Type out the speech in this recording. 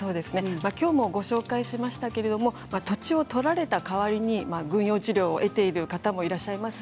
きょうもご紹介しますが土地を取られた代わりに軍用地料を得ている方もいらっしゃいます。